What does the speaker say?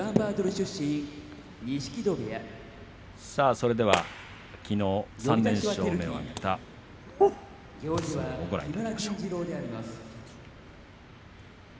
それではきのう３連勝目を挙げた取組をご覧いただきます。